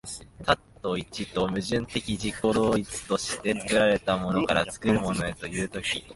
多と一との矛盾的自己同一として、作られたものから作るものへという時、